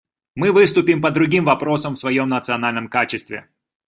Мы выступим по другим вопросам в своем национальном качестве.